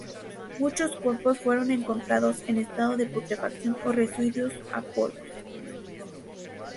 Muchos cuerpos fueron encontrados en estado de putrefacción o reducidos a polvo.